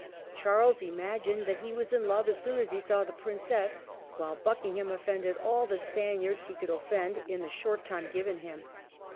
Charles imagined that he was in love as soon as he saw the Princess, while Buckingham offended all the Spaniards he could offend in the short time given him.